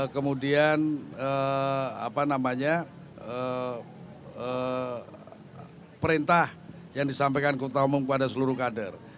kemudian perintah yang disampaikan ketua umum kepada seluruh kader